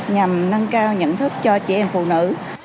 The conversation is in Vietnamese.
nhằm nâng cao nhận thức cho chị em phụ nữ